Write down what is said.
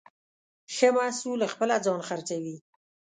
ښه محصول خپله ځان خرڅوي.